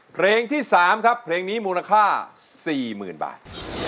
เพลงที่๓ครับเพลงนี้มูลค่า๔๐๐๐บาท